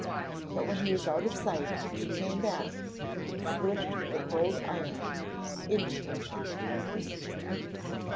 But when he was out of sight she came back and slipped the cold iron into her pocket.